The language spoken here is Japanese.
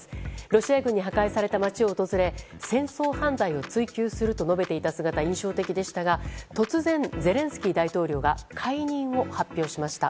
ロシア軍に破壊された街を訪れ戦争犯罪を追及すると述べていた姿が印象的でしたが突然、ゼレンスキー大統領が解任を発表しました。